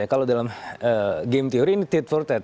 kalau dalam game teori ini tit for tat